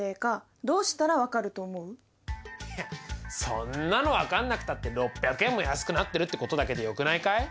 そんなの分かんなくたって６００円も安くなってるってことだけでよくないかい？